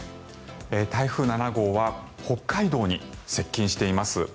台風７号は北海道に接近しています。